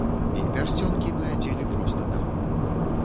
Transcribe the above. І пярсцёнкі мы адзелі проста так.